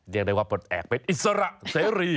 เรียกได้ว่าปลดแอบเป็นอิสระเสรี